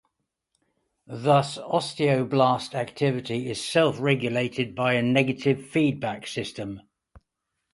Thus, osteoblast activity is self regulated by a negative feedback system.